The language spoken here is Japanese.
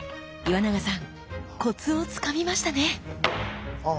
岩永さんコツをつかみましたね！